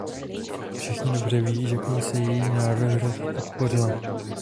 Velmi dobře ví, že Komise její návrh podpořila.